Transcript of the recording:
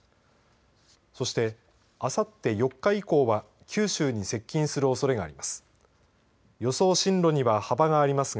そして、あさって４日以降は九州に接近するおそれがあります。